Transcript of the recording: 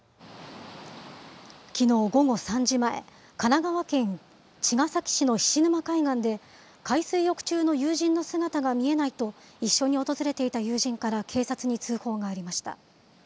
きのう午後３時前、神奈川県茅ヶ崎市の菱沼海岸で、海水浴中の友人の姿が見えないと、一緒に訪れていた友人から警察に通報がありました。